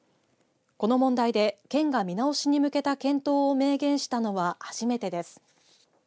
この問題で県が見直しに向けた検討を明言したのは初めてです。